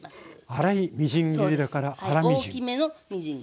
粗いみじん切りだから粗みじん。